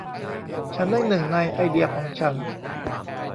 ฉันได้หนึ่งในไอเดียของฉัน